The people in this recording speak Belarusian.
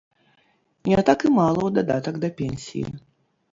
Не так і мала ў дадатак да пенсіі.